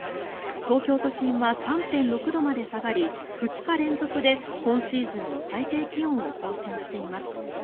東京都心は３．６度まで下がり２日連続で今シーズンの最低気温を更新しています。